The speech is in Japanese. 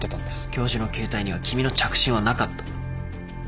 教授の携帯には君の着信はなかった。